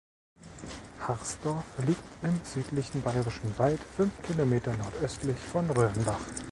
Harsdorf liegt im südlichen Bayerischen Wald fünf Kilometer nordöstlich von Röhrnbach.